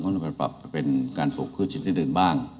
เขาก็ต้องไปปรับเป็นการปลูกพืชชิ้นอื่นบ้าง